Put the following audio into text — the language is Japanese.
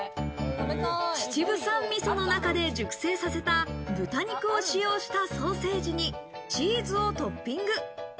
秩父産みその中で熟成させた豚肉を使用したソーセージにチーズをトッピング。